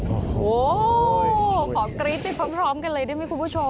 โอ้โหขอกรี๊ดไปพร้อมกันเลยได้ไหมคุณผู้ชม